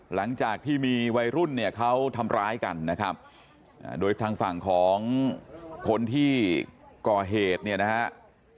หลังจากที่มีวัยรุ่นเนี่ยเขาทำร้ายกันนะครับโดยทางฝั่งของคนที่ก่อเหตุเนี่ยนะฮะ